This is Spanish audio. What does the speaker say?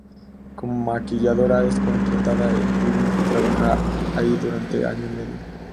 Como maquilladora es contratada en Vivid y trabaja ahí durante año y medio.